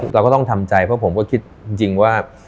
เราก็ต้องทำใจเพราะผมก็คิดจริงว่า